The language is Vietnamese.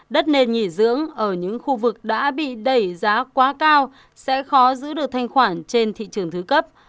đất nền nghỉ dưỡng ở những khu vực đã bị đẩy giá quá cao sẽ khó giữ được thanh khoản trên thị trường thứ cấp